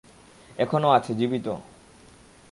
এখনও আছে, জীবিত।